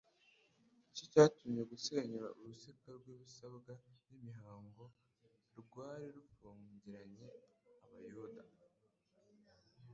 nicyo cyamutcye gusenya urusika rw'ibisabwa n'imihango rwari rufungiranye abayuda.